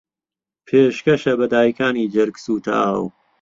پێشکەشە بە دایکانی جەرگسووتاو